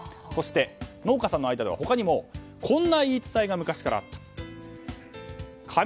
そして、農家さんの間ではこんな言い伝えが昔からあるそうです。